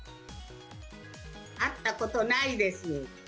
あったことないです。